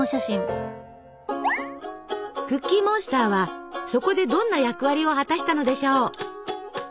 クッキーモンスターはそこでどんな役割を果たしたのでしょう？